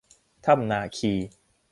ถ้ำนาคี